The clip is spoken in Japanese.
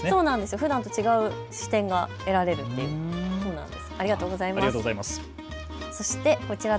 ふだんと違う視点が得られるということなんです。